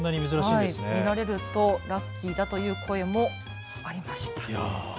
見られるとラッキーだという声もありました。